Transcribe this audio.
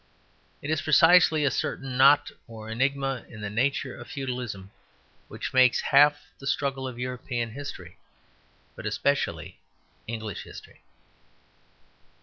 It is precisely a certain knot or enigma in the nature of Feudalism which makes half the struggle of European history, but especially English history.